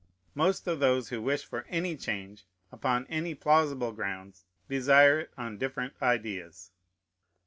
Most of those who wish for any change, upon any plausible grounds, desire it on different ideas.